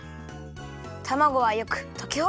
たまごはよくときほぐします！